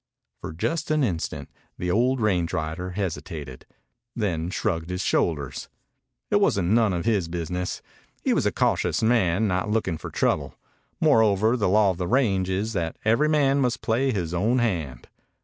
For just an instant the old range rider hesitated, then shrugged his shoulders. It was none of his business. He was a cautious man, not looking for trouble. Moreover, the law of the range is that every man must play his own hand.